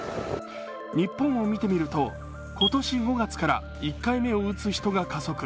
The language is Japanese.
日本を見てみると、今年５月から１回目を打つ人が加速。